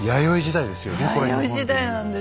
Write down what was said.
弥生時代なんです。